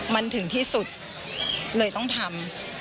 มันถึงที่สุดเลยต้องทำ